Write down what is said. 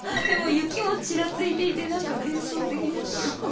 でも雪もちらついていてなんか幻想的ですよ。